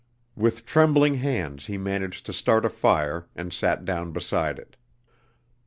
With trembling hands he managed to start a fire and sat down beside it.